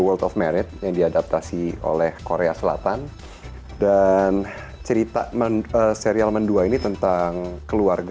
world of merit yang diadaptasi oleh korea selatan dan cerita serial mendua ini tentang keluarga